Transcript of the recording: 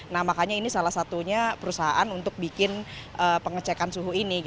nah makanya ini salah satunya perusahaan untuk bikin pengecekan suhu ini